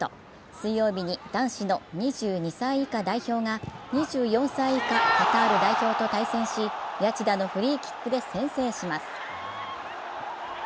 水曜日に男子の２２歳以下代表が２４歳以下カタール代表と対戦し谷内田のフリーキックで先制します。